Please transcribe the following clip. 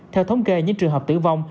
theo thống kê những trường hợp tử vong